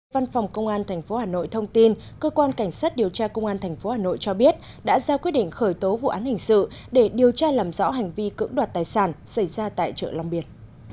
văn phòng công an tp hà nội thông tin cơ quan cảnh sát điều tra công an tp hà nội cho biết đã ra quyết định khởi tố vụ án hình sự để điều tra làm rõ hành vi cưỡng đoạt tài sản xảy ra tại chợ long biệt